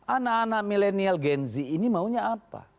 anak anak milenial gen z ini maunya apa